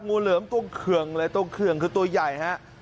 งูเหลือมตรงเขื่องเลยตรงเขื่องคือตัวใหญ่ฮะ